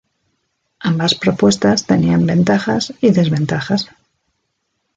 Ambas propuestas tenían ventajas y desventajas.